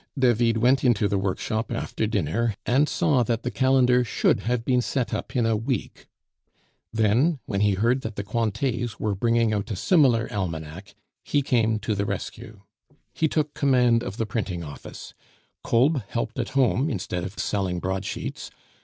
David went into the workshop after dinner, and saw that the calendar should have been set up in a week. Then, when he heard that the Cointets were bringing out a similar almanac, he came to the rescue. He took command of the printing office, Kolb helped at home instead of selling broadsheets.